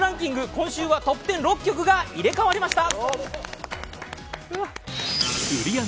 今週はトップ１０、６曲が入れ代わりました。